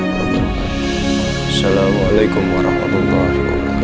assalamualaikum warahmatullah wabarakatuh